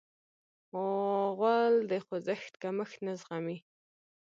غول د خوځښت کمښت نه زغمي.